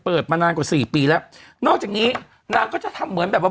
มานานกว่าสี่ปีแล้วนอกจากนี้นางก็จะทำเหมือนแบบว่า